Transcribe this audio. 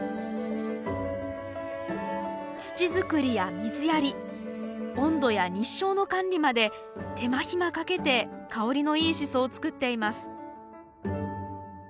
土づくりや水やり温度や日照の管理まで手間暇かけて香りのいいシソを作っています。